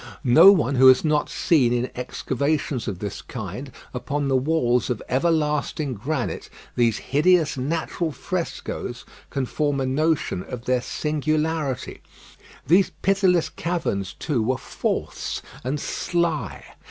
No one who has not seen in excavations of this kind, upon the walls of everlasting granite, these hideous natural frescoes, can form a notion of their singularity. These pitiless caverns, too, were false and sly.